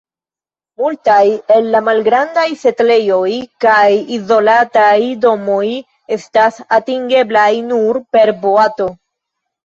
Multaj el la malgrandaj setlejoj kaj izolataj domoj estas atingeblaj nur per boato.